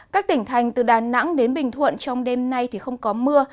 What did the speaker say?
các tỉnh thành từ đà nẵng đến bình thuận trong đêm nay thì không có mưa